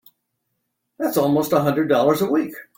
That's almost a hundred dollars a week!